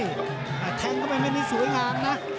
แต่แข้งก็ไม่มีสวยงามนะ